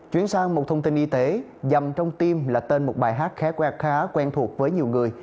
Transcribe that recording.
chuyến sang một thông tin y tế dầm trong tim là tên một bài hát khá quen thuộc với nhiều người